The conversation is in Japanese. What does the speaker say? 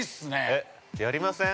◆えっ、やりません？